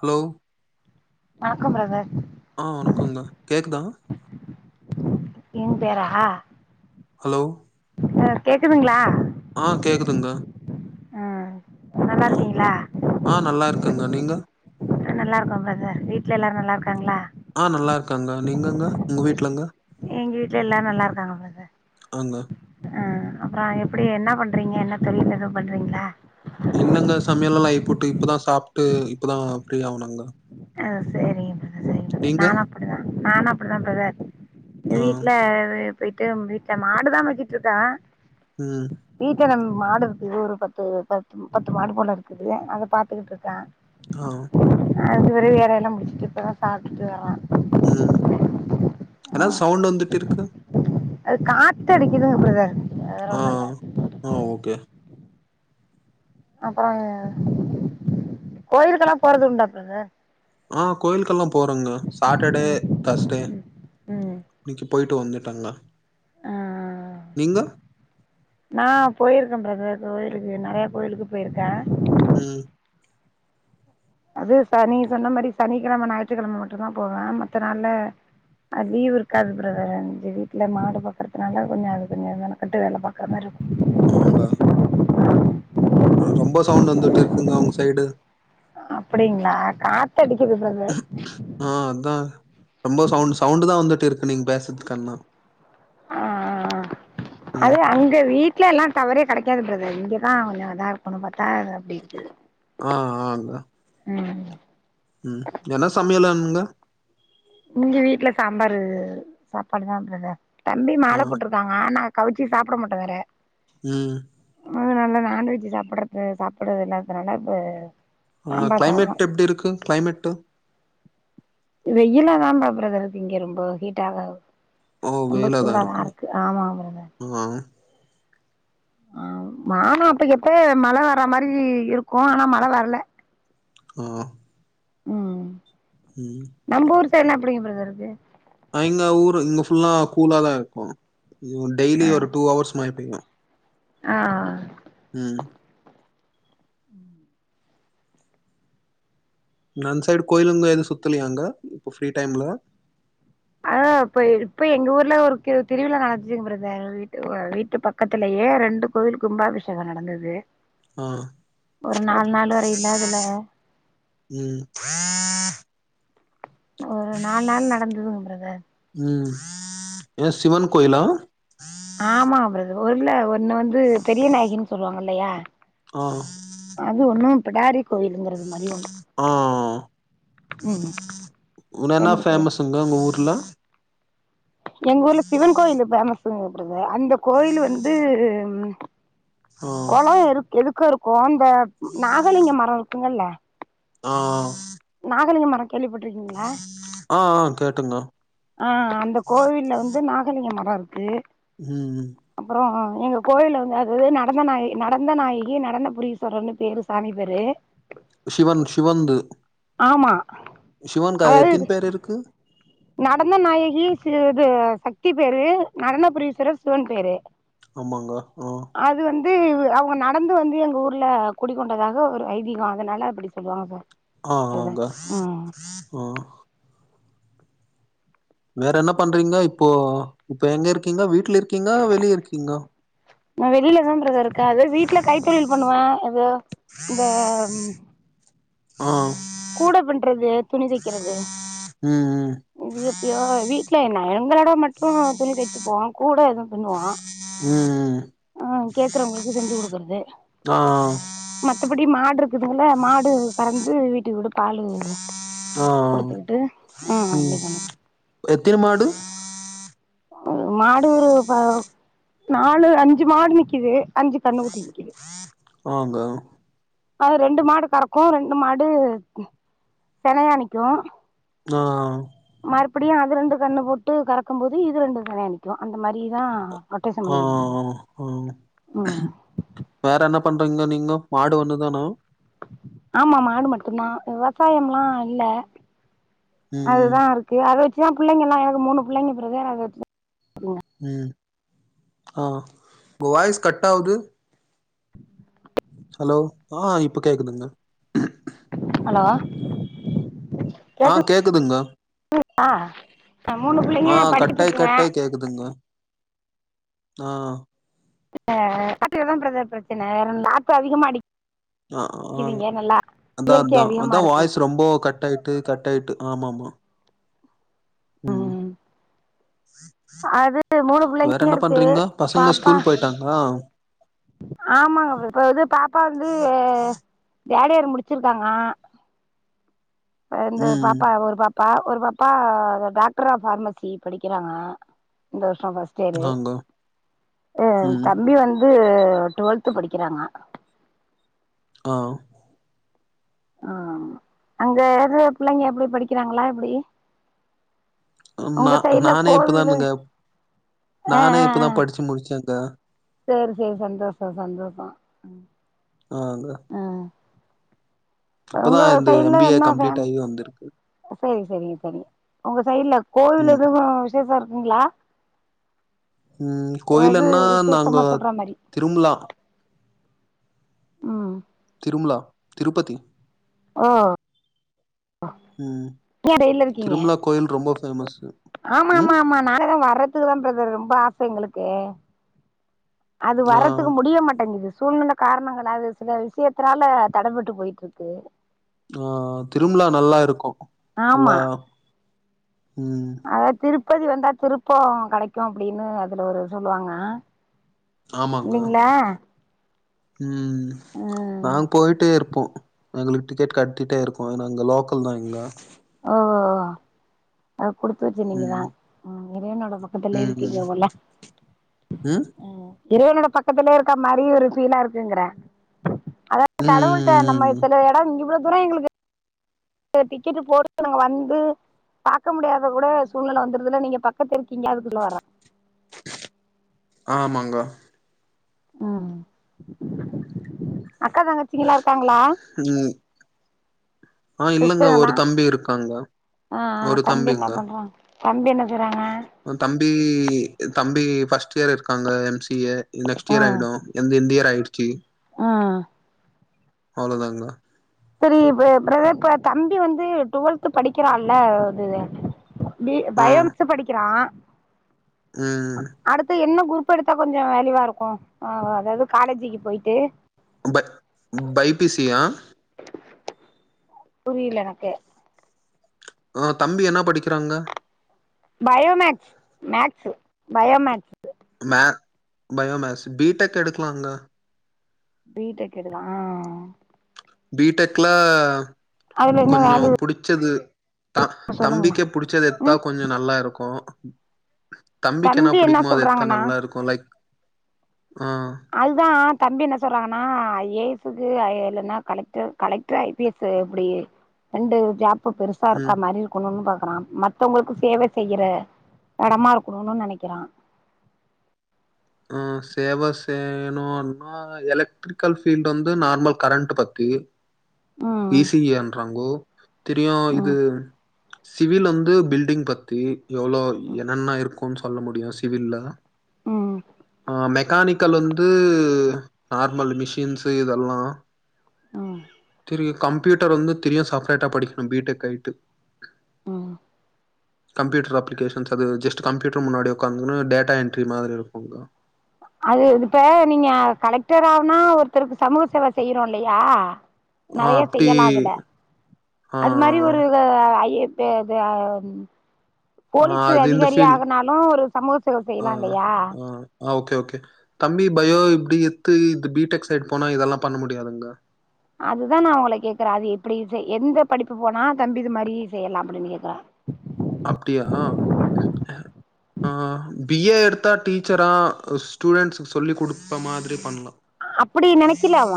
Hello! வணக்கம் brother ஆஹ் வணக்கங்கா கேக்குதா? என் பேராஹா? ஹலோ! சார் கேக்குதுங்களா ஆஹ் கேக்குதுங்க ஆஹ் ஆஹ் ஆஹ் நல்லா இருக்குங்க நீங்க நல்ல இருக்கும் பிரதர் வீட்டில் எல்லாரரும் நல்லா இருக்காங்களா ஆஹ் நல்லா இருக்காங்க நீங்கங்க உங்க வீட்டுலங்க எங்க வீட்டு்ல எல்லாரும் நல்லா இருக்காங்க பிரதர் ஆங்க அஹ் அப்புறம் எப்படி என்ன பண்றீங்க என்ன தொழில் எதுவும் பண்றீங்களா இல்லங்க சமையல எல்லாம் ஆகி போட்டு இப்பதான் சாப்பிட்டு இப்பதான் ஃப்ரீ ஆகனாங்க அ சேரி அ சரிங் சார் நானு அப்படிதா நானு அப்படிதா ப்ரதர் எங்க ஆ வீட்ல அது பொயிட்டு வீட்ல மாடுதான் வச்சிட்ருக்க ம் வீக்கனம் மாடு இருக்குது ஒரு பத்து பத்து பத்து மாடு போல இருக்குது அத பாத்துக்கிட்ருக்கே ஆஹ் அலஞ்சபெறவ் வேலையெல்லா முடிச்சிட்டு இப்பொதா சாப்டுட்டு வர்ர உம் எனால் ஆ சவுண்ட் வந்துட்ருக்கு அது காத்தடிக்குதுங்க ப்ரதர் ஆஹ் ஆஹ் ஓகே அப்புறங் கோயிலுக்கெல்லா போறது உண்டா ப்ரதர் ஆஹ் கோயில்க்கெல்லா போறங்க சாட்டர்டே தஸ்டே ம் ம் இன்னைக்கு பொயிட்டு வந்துட் ட்டங்க ஆ நீங்க நா பொயிருக்க ப்ரதர் கோயிலுக்கு நெறைய கோயிலுக்கு பொயிருக்கே உம் அது சனி சொன்ன மாதிரி சனிக்கிழமை ஞாயிற்றுக்கிழமை மட்டுந்தா போவே மத்த நாள்ல அ லீவ் இருக்காது ப்ரதர் அஞ்சி வீட்டுல மாடு பாக்கறதுனால கொஞ்செ அது கொஞ்செ மெனக்கட்டு வேலை பாக்குறமாரி இருக்கு ஆங்க உ ரொம்ப சவுண்ட் வந்துட்டு இருக்குங்க உங்க சைடு அப்டிங்ளா காத்தடிக்கிது ப்ரதர் ஆ அதா ப்ப நீங்க பேசர்து கண்ணா ஆஹ் ஆஹ் ஆஹ் அதே அங்க வீட் ட்லலா டவரே கெடைக்காது ப்ரதர் இங்கதான் கொஞ்சொம் இதா இருக்குனு பாத் தா அப்டி இருக்குது ஆ உம் என்ன சமையலானுங்க இங்க வீட்ல சாம்பாரு சாப்பாடு தா ப்ரதர் தம்பி மால ஆ போட்ருக்காங்க ஆனா கவுச்சி சாப்ட மாட்டொ வேற ம் அதுனால நான்வெஜ்ஜி சாப்புட்றது சாப்புட்றது அதுனால இப் ஆஹ் கிளைமேட் எப்டி இருக்கு கிளைமெட்டு வெயிலாதா ப ப்ரதர் இருக்கு இங்க ரொம்பொ ஹீட்டாக ஓ ரொம்ப வெயிலா தா இருக்கு சூடாதாருக்கு ஆமா ப்ரதர் ஆ ஆஹ் மானொ அப்பைக்கப்ப மழ வர மாரி இருக்கு ஆனா மழ வரல ஆஹ் உஹ்ம் உம் சைட்னா எப்படி ப்ரோ இருக்கு அஹ் இங்க ஊரு இங்க ஃபுல்லா கூலாதா இருக்கு ஒ டெய்லி ஒரு டூ அவர்ஸ் மழை பெய்யு ஆஹ் ஆஹ் உஹ்ம் ன அந்த சைடு கோயிலுங்க எது சுத்துலையா அங்க இப்ப ஃப்ரீ டைம்ல அதா இப்ப இப்ப எங்க ஊர்ல ஒரு கு திருவிழா நடந்துச்சுங்க பிரதர் வீட்டு வ வீட்டு பக்கத்துலயே ரெண்டு கோவில் கும்பாபிஷேக நடந்தது ஆ ஒரு நாலு நாள் வரை இல்லாதுல ம் ஒரு நாலு நாள் நடந்ததுங்க பிரதர் ம் ஏ சிவன் கோயிலா ஆமா பிரதர் ஒரில்ல ஒ இன்னொ வந்து பெரிய நாயகின்னு சொல்லுவாங்க அல்லையா அது ஒண்ணு பிடாரி கோயிலுங்கிறது மாரி ஒண்ணு ஆஹ் ம் உன என்னா ரெண்டு ஃபேமஸுங்க அங்க ஊர் ல்ல எங்கூர்ல சிவன் கோயில் ஃபேமஸ் [unintelligible] அந்த கோயில் வந்து ம் ஆ குளொ இருக் எதுக்கு இருக் கும் இந்த நாகலிங்க மர இருக்குங்கல்ல ஆஹ் நாகலிங்க மர கேள்விப்பட்டிருக்கீங்களா ஆ ஆ கேட்டுங்க ஆஹ் அந்த கோவில்ல வந்து நாகலிங்க மர இரு இது உஹ்ம் உம். எங்க கோயில்ல வந்து அது நடந்த நாயகி நடந்த நாயகி நடன புரீஸ்வரன்னு பேரு சாமி பேரு சிவன் சிவன்ந்து. ஆமா. சிவன் காயத்தின் பேர் இருக்கு. நடன நாயகி சு இது சக்தி பேரு நடன புரடீசுரர் சிவன் பேரு ஆமாங்க ஆஹ் அது வந்து அவங்க நடந்து வந்து எங்க ஊர்ல குடிக்கொண்டதாக ஒரு ஐதீகம் அதனால அப்படி சொல்லுவாங்க சார். ஆஹ் பிரதர் ஆங்க ம் ஆஹ். வேற என்ன பண்றீங்க இப்போ இப்போ எங்க இருக்கீங்கா வீடல இருக்கீங்கா வெளிய இருக்கீங்க நான் வெளில தான் பிரதர் இ அதோ வீட்டுல கைத்தொழில் பண்ணுவேன் ஏதோ இந்த ஆஹ் கூட பிண்றது துணி தைக்கிறது ம் இது எப்பயோ வீட்ல என்ன எங்களோட மட்டும் துணி தைச்சு போவோான் கூட எதுவும் பண்ணுவான் ம் ம் ம் ஆஹ் கேக்குறவங்களுக்கு செஞ்சு கொடுக்குறது ஆ மத்தபடி மாடு இருக்குதுால மாடு கறந்து வீ குட்டி கூட பாலு ஆஹ் குடுத்துக்கிட்டு ம் உம் அப்டி பண்ணுவோ எத்த மாடு மாடு ஒரு பா நாலு அஞ்சு மாடு நிக்குது அஞ்சு கண்ண ஊட்டி நிக்குது ஆங்க அது ரெண்டு மாடு கறக்கும் ரெண்டு மாடு செனையணிக்கும் ஆஹ் மபடியும் அது ரெண்டு கண்ணு போட்டு கறக்கும் போது இது ரெண்டு கணையாணிக்கும் அந்த மாதிரிதான் ஆஹ் ஹ் ம் வேற என்ன பண்றீங்கோ நீங்க மாடு ஒண்ணு தானா ஆமா மாடு மட்டும்தான் விவசாயம் எல்லாம் இல்ல ம் அதுதான் இருக்கு அதவச் தான் பிள்ளைங்கலாம் எனக்கு மூணு பிள்ளைங்க பிரதர் அத வச்சு தா உம் ஆஹ் இப்ப வாய்ஸ் கட்ட ஆகுது [unintelligible] ஆஹ் இப்போ கேக்குதுங்க ஹலோ. ஆஹ் கேக்குதுங்க தா ஆ மூணு பிள்ளைங்க ஆஹ் படிச்சுட்டு கட்டாய் இருக்குங்க கட்டாய் கேக்குதுங்க ஆஹ் அதுல [unintelligible] தான் பிரச்சனை நாத்த அதிகமா அடி ஆஹ் ஆஹ் அதான் இயற்கை அதான் அதிகமா அதான் இருக்கு வாய்ஸ் ரொம்ப கட் ஆயிட்டு கட் ஆயிட்டு ஆமா ஆமா உம் அது மூணு வேற பிள்ளைங்க என்ன இருக்கு பண்றீங்க பசங்க பாப்பா ஸ்கூல் போயிட்டாங்களா ஆமாங்க வ இது இப்ப இது பாப்பா வந்து அ தேட் யேர் முடிச்சிருக்காங்க. ந்து ம் பாப்பா ஒரு பாப்பா ப்பா ஒரு பாப்பா வ டாக்டர் ஆஃப் ஃப்பார்மசி படிக்கிறாங்க இந்த வருஷ ஷோ பஸ்ட்டு யேரு ஆங்க அ ம் தம்பி வந்து இது உ டுவெல்த் படிக்கிறாங்க. அ அ அங்க எது பிள்ளைங்க எப்டி படிக்கிறாங்களா? எப்டி? ம் உங்க சைட்ல நா-நானே கோவிலு இப்பதாம்ங்க ஆ நானே ஆ ஆ இப்பதா படிச்சு முடிச்சே அ சேரி சேரி சந்தோஷோ சந்தோஷோ அ ஆஹங்க அ உங்க சைட்ல ஏ இன்னா கம்ப்ளீட் ஃபேமஸ் ஆகி வந்திருக்கு செரி செரிங்க செரிங்க உங்க சைட்ல கோவில் ம் எதுவு விசேஷோ இருக் குங்ளா? ம் கோயிலன்னா நாங்கோ சொல்ற மாரி திரும்லா ம் திரும்லா திருப்பதி ஒ [unintelligible] ம் நீங்க டெய்லி இருக்கீங்க திரும்லா கோயில் ரொம்ப ஃபேமஸு ஆமா ஆமா ம் ஆமா நாங்கதா வர்றதுக்குதா பிரதர் ரொம்ப ஆச எங்களுக்கு க்க அது ஆ வர்றதுக்கு முடிய மாட்டேங்குது. சூழ்நில காரணங்களா அது சில விஷ்யத்தனால தடப்பட்டு போயட்டுருக்கு. அ திருமலா நல்லா இருக்கு நல்லா ஆமா ம் அத திருப் பதி வந்தா திருப்போ கெடைக்கு அப்டின்னு அதுல ஒரு சொல்லுவாங்க. ஆமாங்க இல்லிங்ளா ம் நாங் போய்ட்டே இருப்போ எங்ளுக்கு டிக்கெட் கட்டிட்டே இருக்கு ஏன்னா இங்க லோக்கல்தா இங்க ஓ [unintelligible] குடுத்து வச்சு நீங்கதா ம் ம் இறைவனோட பக்கத்துலே ம் ம் இருக்கீங்க போல ம் இறைவனோட பக்கத்துலே இருக்க மாரி ஒரு ஃபீலா இருக்குங்க்ற அதாவ கடவுள்ட்ட ம் நம்ம ம் சில எடோ [unintelligible] ப்பனா எங்களுக்கு டிக்கெட்டு [unintelligible] ங்க வந்து பாக்க முடியாத கூட சூழ்நில வந்துருதுல நீங்க பக்கத்து இருக்கீங்க அதுக்கு சொல்ல வரே ஆமாங்க ம் அக்கா தங்கச்சிங்கலா இருக்காங்ளா ம் ஆ இல்லங்க ஒரு தம்பி இருக்காங்க ஆ ஆ ஒரு தம்பி என்ன தம்பிங்க பண்றா தம்பி என்ன செய்றாங்க தம்பி தம்பி ஃபர்ஸ்ட் இயர் இருக்காங்க M C A next year ஆயிடூ எந் இண்டியா பேங்கி ஆ அவ்ளோதாங்கா செரி ப்ர ப்ரதர் ப தம்பி வந்து டுவெல்த் படிக்கிறால்ல அது பி ஆ பயோமேக்ஸ் படிக்கிறா ம் அடுத்து என்னப் குருப் எடுத்தா கொஞ்சோ வேளியூவா இருக்கூ அதாவ்து காலேஜுக்கு போய்ட்டு பட் பைபிசியா புரியலனக்கு ஆ தம்பி என்ன படிக்கிறாங்க பயோமேக்ஸ் மேக்ஸ் பயோமேக்ஸ் மே பயோமேஸ் பீ டெக் எடுக்கலாங்க பீ டெக் எடுக்லா ஆ பீ டெக்ல அதுல என்ன கொஞ்சோ வேல்யூ புடிச்சது த சொல்லுங்களே தம்பிக்கே புடிச்சது எத்தா ம் கொஞ்சொ நல்லாருக்கூ தம்பிக்கு என்ன தம்பி புடிக்குமோ அது எத்தா சொல்றாங்கன்னா நல்லாருக்கூ லைக் ஆ அதுதா தம்பி என்ன சொல்றாங் ஆ ஐ ஏ எஸூக்கு ஐ இல்லேனா collector collector I P S இப்டி ரெண்டு ஜாப் ப்ப பெருசா இருக்கா ம் மாரி இருக்கணூம்பா க்யா மத்தவங்களுக்கு சேவ செய்ற எடமா இருக்கணூனு நெனைக்கிறா ம் சேவ செய்ணுனா எலக்ட்ரிக்கல் ஃபீல்டு வந்து நார்மல் கரண்ட் பத்தி ஈ ம் சி ஏ என்றாங்கோ தெரியூ இது ம் சிவில் வந்து பில்டிங் பத்தி எவ்ளோ என்னன்ன இருக் ஒன் சொல்ல முடியூ சிவில்ல ம் ஆ மெக்கானிக் கல் வந்து நார்மல் மிஷின்ஸு இதெல்லா ம் இதுகு கம்ப்யூட்டர் வந்து திரியு சப்ரேட்டா படிக்கணு பி டெக் ஐ டு ம் கம்ப்யூட்டர் அப்ளிகேஷன்ஸ் அது ஜஸ்ட்டு கம்யூட்டர் முன்னாடி உக்காந்துனு டேட்டா என்ட்ரி மாதிரி இருக் குங்க அது இப்ப நீங்க கலெக்டர் ஆனா ஒருத்தருக்கு சமூக சேவ செய்யறோ இல்லயா ஆ நெறைய அப்டி செய்யலா அதுல ஆ அது மாரி ஒரு அ, ஐ ஏ தே அது ஆ ம் ஆ போலீஸ் அது இந்த அதிகாரி ஃபீல் ஆகனாலு ஒரு சமூக சேவ செய்யலா இல்லயா கே தம்பி பயோ இப்டி எத்து இது பி டெக் சைடு் போனா இதெல்லா பண்ண முடியாதுங்க அது தா நா உங்கள கேக்கறே அது எப்டி சே எந்த படிப்பு போனா தம்பி இது மாரி செய்யலா அப்டின்னு கேக்கறே அப்டியா எ ஆ பி ஏ எடுத்தா டீச்சரா அ ஸ்டூடெண்ட்ஸ்க் சொல்லி் குடுத்த மாதிரி பண்லா அப்பிடி நெனைக்கல அவ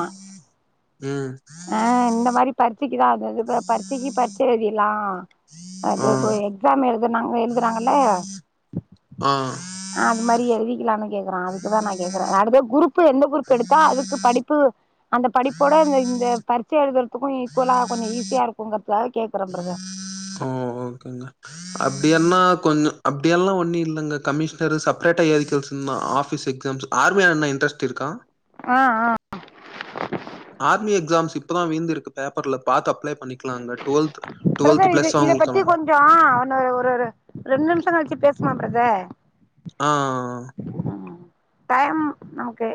ம் ஆ இந்த மாரி படிச்சி இது அதது ப்ப பரிச்சைக்கு பரிச்ச எழுதிர்லா அது ஆ இப்போ எக்ஸாமு இதுனாங் எழுதறாங்கல்ல ஆ அது மாரி எழுதிக்கலானு கேக்கறா அதுக்கு தா நா கேக்கறே அதுக்கு பேரு குரூப் பு எந்த குருப் எடுத்தா அதுக்கு படிப்பு அந்த படிப்போட இந்த இந் து பரிச்ச எழுதற த்துக்கு ஈக்லோ கொஞ்ச ஈஸியா இருக்குங்கறத் தா கேக்கறே ப்ரதர் அப்டியென்னா கொஞ்சோ அப்படியெல்லா ஒன்னு இல்லங்க கமிஷனரு செப்ரேட்டா ஏரிக்கல்ஸ்ன்னா ஆஃபீஸ் எக்ஸாம்ஸு ஆர்மியான்ன இன்ட்ரெஸ்ட் இருக்கா ஆ ஆ ஆர்மி எக்ஸாம்ஸ் இப்பதா வீழ்திருக்கு பேப்பர்ல பாத் அப்ளே ப்ரதர் இது இத பத்தி அவங்களுக்கெல்லா கொஞ்சோ ஒன்னு ஒரு ஒரு ரெண் நிம்ஷோ கழிச்சு பே ஸ்லா ப்ரத ஆஹ் ம் டைம் நமக்கு